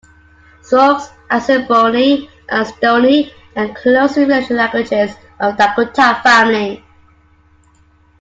Sioux, Assiniboine, and Stoney are closely related languages of the Dakota family.